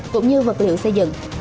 cũng như vật liệu xây dựng